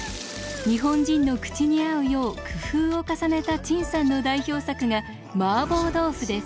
日本人の口に合うよう工夫を重ねた陳さんの代表作がマーボー豆腐です。